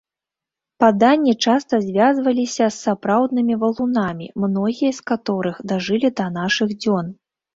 Паданні часта звязваліся з сапраўднымі валунамі, многія з каторых дажылі да нашых дзён.